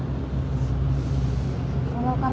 tahu cara kerja masak sudah